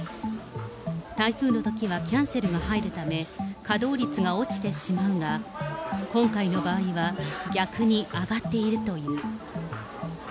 台風のときはキャンセルが入るため、稼働率が落ちてしまうが、今回の場合は逆に上がっているという。